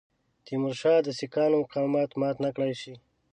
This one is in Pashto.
تیمورشاه د سیکهانو مقاومت مات نه کړای شي.